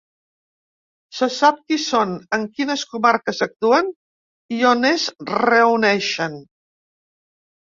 Se sap qui són, en quines comarques actuen i on es reuneixen.